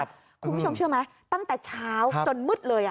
คุณผู้ชมเชื่อไหมตั้งแต่เช้าจนมืดเลย